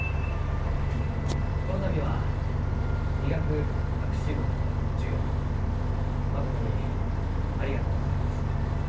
この度は理学博士号の授与まことにありがとうございます。